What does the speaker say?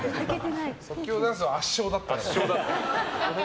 即興ダンスは圧勝だったよ。